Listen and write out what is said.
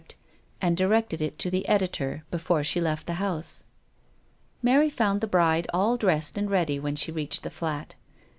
and directed it to the editor of The F<m before she left the house. Mary found the bride all dressed and ready when she reached the flat.